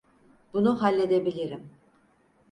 Bunu halledebilirim.